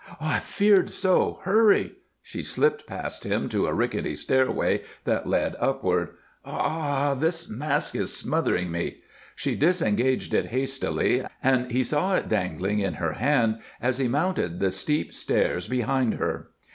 "I feared so! Hurry!" She slipped past him to a rickety stairway that led upward. "Ah h ! this mask is smothering me!" She disengaged it hastily, and he saw it dangling in her hand as he mounted the steep stairs behind her.